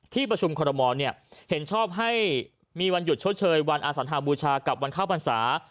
ที่ประชุมคอรมอลเห็นชอบให้มีวันหยุดชดเชยวันอสัญหาบูชากับวันเข้าพรรษา